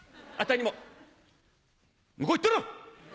「向こう行ってろ！